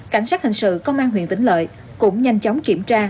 cảnh sát hình sự công an huyện vĩnh lợi cũng nhanh chóng kiểm tra